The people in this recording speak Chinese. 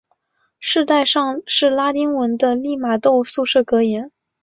饰带上是拉丁文的利玛窦宿舍格言。